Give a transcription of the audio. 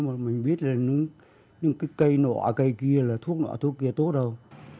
mà mình biết là những cái cây nọ cây kia là thuốc nọ thuốc kia tốt đâu